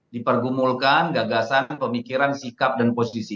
dipergumulkan gagasan pemikiran sikap dan posisi